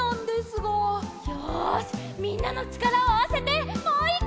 よしみんなのちからをあわせてもう１かい！